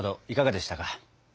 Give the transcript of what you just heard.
いかがでしたか。